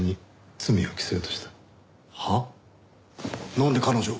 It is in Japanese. なんで彼女を？